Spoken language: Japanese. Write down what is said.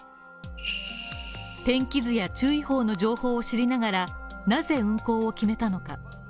天気図や注意報の情報を知りながらなぜ運航を決めたのか。